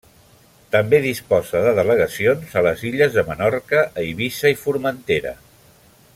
També disposa de delegacions a les illes de Menorca, Eivissa i Formentera.